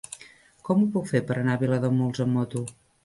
Com ho puc fer per anar a Vilademuls amb moto?